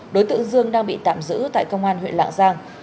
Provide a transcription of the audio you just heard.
đối tượng dương đang bị tạm giữ tại công an huyện lạng giang